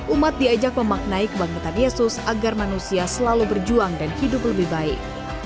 umat diajak memaknai kebangkitan yesus agar manusia selalu berjuang dan hidup lebih baik